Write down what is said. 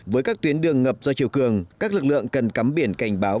với các tuyến đường ngập do chiều cường các lực lượng cần cắm biển cảnh báo